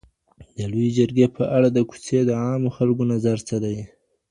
د لویې جرګي په اړه د کوڅي د عامو خلګو نظر څه دی؟